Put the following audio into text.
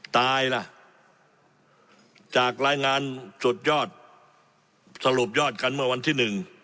ตายล่ะจากรายงานสุดยอดสรุปยอดกันเมื่อวันที่หนึ่ง